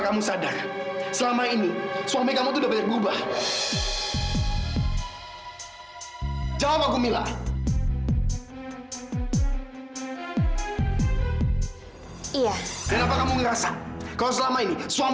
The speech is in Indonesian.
kamu sekarang pasti udah bisa membedainya